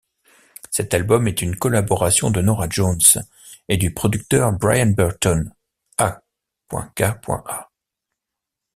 Cet album est une collaboration de Norah Jones et du producteur Brian Burton a.k.a.